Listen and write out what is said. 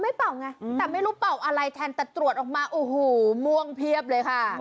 เป่าไงแต่ไม่รู้เป่าอะไรแทนแต่ตรวจออกมาโอ้โหม่วงเพียบเลยค่ะ